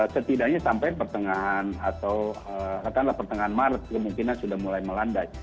setidaknya sampai pertengahan atau katakanlah pertengahan maret kemungkinan sudah mulai melandai